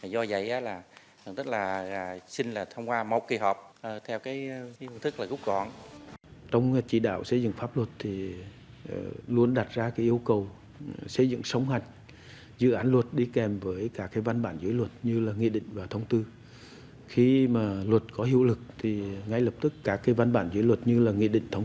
do vậy là xin là thông qua một kỳ họp theo cái hình thức là gúc gọn